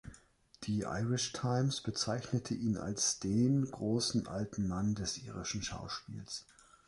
Die „Irish Times“ bezeichnete ihn als den „großen alten Mann des irischen Schauspiels“.